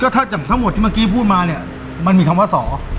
ถ้าจากทั้งหมดที่เมื่อกี้พูดมาเนี่ยมันมีคำว่าสอ